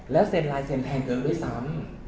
แล้วเซ็นลายเซ็นแพงเกินด้วยซ้ำ